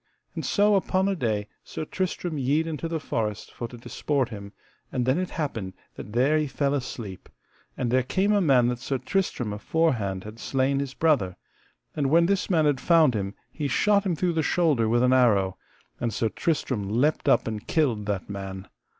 And so upon a day Sir Tristram yede into the forest for to disport him, and then it happened that there he fell sleep; and there came a man that Sir Tristram aforehand had slain his brother, and when this man had found him he shot him through the shoulder with an arrow, and Sir Tristram leapt up and killed that man.